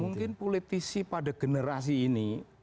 mungkin politisi pada generasi ini